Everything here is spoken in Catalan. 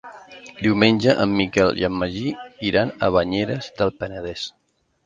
Diumenge en Miquel i en Magí iran a Banyeres del Penedès.